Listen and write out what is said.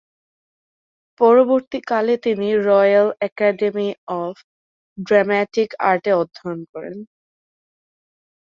পরবর্তী কালে তিনি রয়্যাল একাডেমি অব ড্রামাটিক আর্টে অধ্যয়ন করেন।